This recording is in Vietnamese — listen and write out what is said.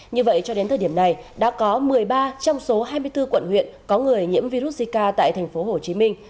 như vậy cho đến thời điểm này đã có một mươi ba trong số hai mươi bốn quận huyện có người nhiễm virus zika tại tp hcm